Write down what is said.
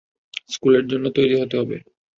স্কুলের জন্যে তৈরী হতে হবে।